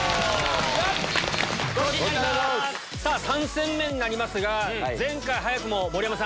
さぁ３戦目になりますが前回早くも盛山さん。